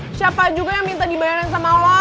eh siapa juga yang minta dibayarin sama lo